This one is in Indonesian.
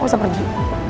kok bisa pergi